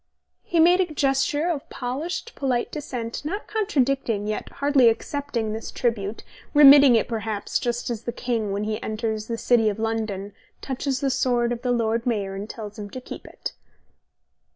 He made a gesture of polished, polite dissent, not contradicting, yet hardly accepting this tribute, remitting it perhaps, just as the King when he enters the City of London touches the sword of the Lord Mayor and tells him to keep it.